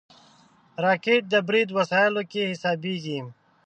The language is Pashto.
راکټ د برید وسایلو کې حسابېږي